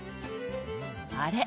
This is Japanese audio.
あれ？